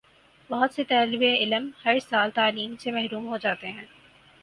بہت سے طالب علم ہر سال تعلیم سے محروم ہو جاتے ہیں